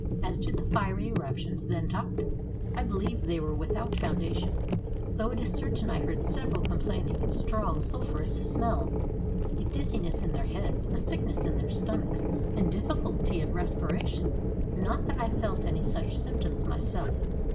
As to the fiery eruptions then talked of, I believe they are without foundation, though it is certain I heard several complaining of strong sulphureous smells, a dizziness in their heads, a sickness in their stomachs, and difficulty of respiration, not that I felt any such symptoms myself.